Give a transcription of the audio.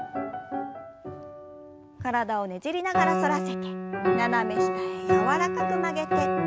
体をねじりながら反らせて斜め下へ柔らかく曲げて。